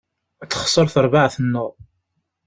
Texser terbaεt-nneɣ.